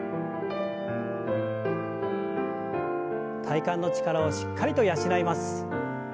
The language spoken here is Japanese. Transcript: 体幹の力をしっかりと養います。